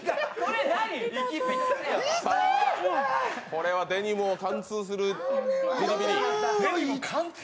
これはデニムを貫通するビリビリ。